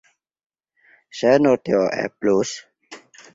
Se nur tio eblus!